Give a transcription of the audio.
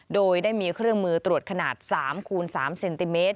โดยได้มีเครื่องมือตรวจขนาด๓คูณ๓เซนติเมตร